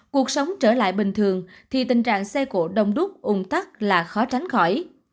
cuộc sống trở lại bình thường thì tình trạng xe cộ đông đúc ung thắt là khó tránh khỏi